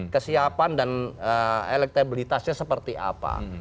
kesiapan dan elektabilitasnya seperti apa